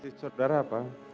si saudara apa